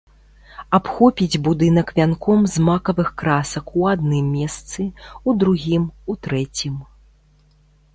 Абхопіць будынак вянком з макавых красак у адным месцы, у другім, у трэцім.